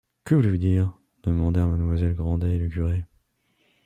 Que voulez-vous dire? demandèrent mademoiselle Grandet et le curé.